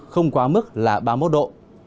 không quá mức là ba mươi một độ